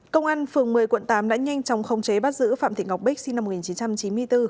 công an phường một mươi quận tám đã nhanh chóng khống chế bắt giữ phạm thị ngọc bích sinh năm một nghìn chín trăm chín mươi bốn